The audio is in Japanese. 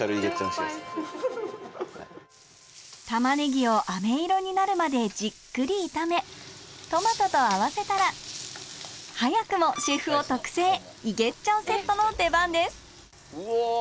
タマネギをあめ色になるまでじっくり炒めトマトと合わせたら早くもシェフ男特製イゲっちゃんセットの出番ですうお！